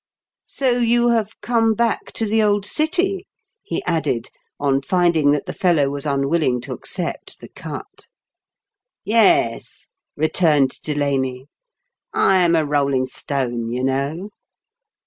"So you have come back to the old city?" he added, on finding that the fellow was unwilling to accept the "cut." " Yes," returned Delaney. " I am a rolling stone, you know."